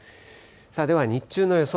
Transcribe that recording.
では日中の予想